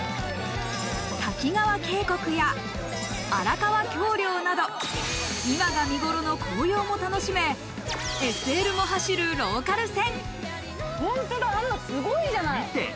滝川渓谷や荒川橋梁など、今が見頃の紅葉も楽しめ、ＳＬも走るローカル線。